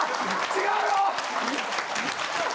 違うよ！